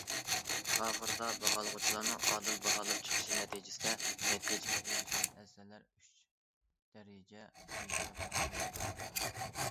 ئاخىرىدا باھالىغۇچىلارنىڭ ئادىل باھالاپ چىقىشى نەتىجىسىدە، نەتىجىگە ئېرىشكەن ئەسەرلەر ئۈچ دەرىجە بويىچە باھالىنىپ مۇكاپاتلاندى.